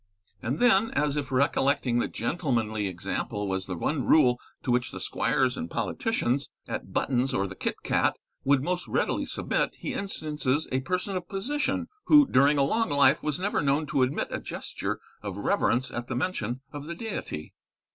And then, as if recollecting that gentlemanly example was the one rule to which the squires and politicians at Button's or the Kitcat would most readily submit, he instances a person of position, who, during a long life, was never known to omit a gesture of reverence at the mention of the Deity.